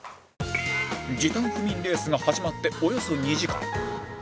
時短不眠レースが始まっておよそ２時間